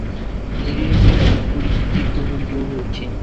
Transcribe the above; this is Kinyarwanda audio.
Ni irihe zina ryukuri ry'idubu ry'ubuki